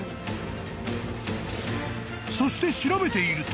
［そして調べていると］